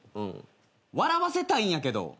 笑わせたいんやけど。